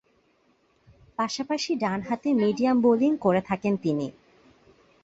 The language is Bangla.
পাশাপাশি ডানহাতে মিডিয়াম বোলিং করে থাকেন তিনি।